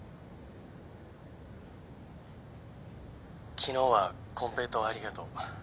昨日は金平糖ありがとう。